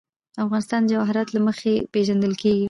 افغانستان د جواهرات له مخې پېژندل کېږي.